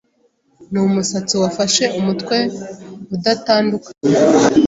Numusatsi wafashe umutwe udatandukanye